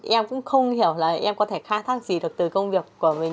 em cũng không hiểu là em có thể khai thác gì được từ công việc của mình